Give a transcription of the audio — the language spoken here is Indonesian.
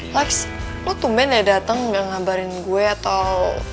lex lo tumben ya dateng ngabarin gue atau